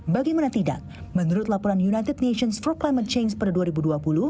bagaimana tidak menurut laporan united nations pro climate change pada dua ribu dua puluh